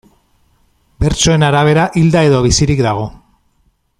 Bertsoen arabera, hilda edo bizirik dago.